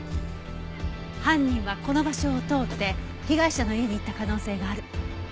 犯人はこの場所を通って被害者の家に行った可能性がある。